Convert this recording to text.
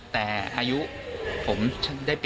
ขอบคุณครับ